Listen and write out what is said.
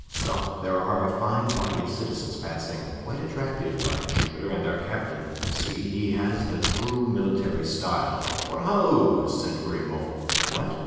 Stop, there are a fine body of citizens passing; quite attractive, by Jupiter! and their captain—see! he has the true military style." "What, ho!" said Grimaud. "What?"